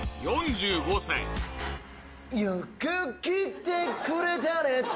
よく来てくれたね